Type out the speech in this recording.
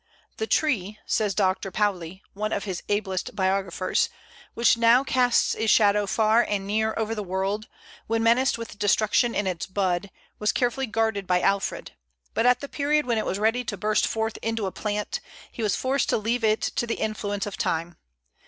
"The tree," says Dr. Pauli, one of his ablest biographers, "which now casts its shadow far and near over the world, when menaced with destruction in its bud, was carefully guarded by Alfred; but at the period when it was ready to burst forth into a plant, he was forced to leave it to the influence of time.